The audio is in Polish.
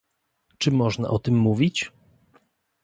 Czy można o tym mówić?